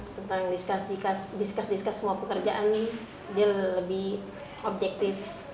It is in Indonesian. tentang discuss discuss semua pekerjaan nih dia lebih objektif